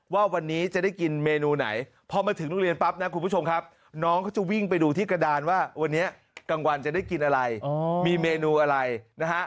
วันนี้กลางวันจะได้กินอะไรมีเมนูอะไรนะฮะ